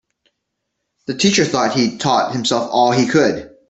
The teacher thought that he'd taught himself all he could.